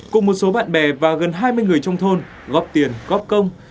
cùng một số bạn bè và gần hai mươi người trong thôn góp tiền góp công